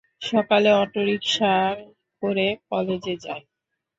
সকালে অটোরিকশায় করে কলেজে যায়।